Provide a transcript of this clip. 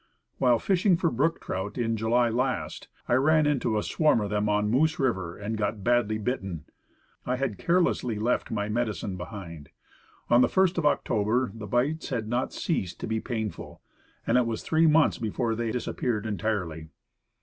While fishing for brook trout in July last, I ran into a swarm of them on Moose River, and got badly bitten. I had carelessly left my fly medicine behind. On the first of October the bites had not ceased to be painful, and it was three months before they dis appeared entirely.